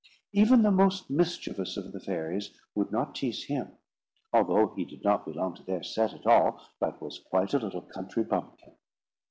Even the most mischievous of the fairies would not tease him, although he did not belong to their set at all, but was quite a little country bumpkin.